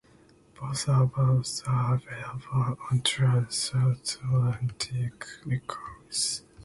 Both albums are available on Transatlantic Records.